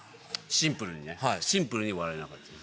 シンプルにねシンプルに笑えなかった。